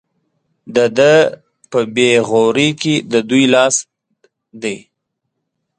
د ده په بې غورۍ کې د دوی هم لاس دی.